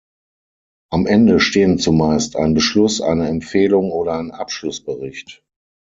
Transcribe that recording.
Am Ende stehen zumeist ein Beschluss, eine Empfehlung oder ein Abschlussbericht.